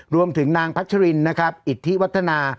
รวมถึงนางพัชรินนะครับอิทธิวัฒนา